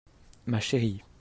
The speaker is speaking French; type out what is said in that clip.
Ma chérie.